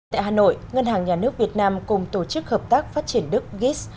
tại hà nội ngân hàng nhà nước việt nam cùng tổ chức hợp tác phát triển đức gis